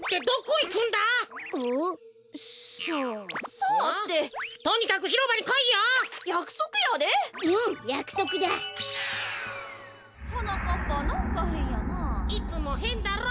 いつもへんだろ。